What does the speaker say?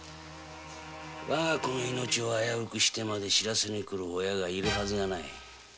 わが子の命を危うくしてまで漏らす親がいるはずがない。